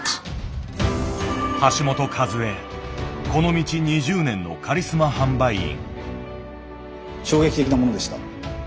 この道２０年のカリスマ販売員。